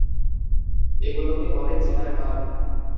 এগুলোকে বলে Zener card.